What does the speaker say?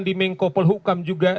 di mengko pelhukam juga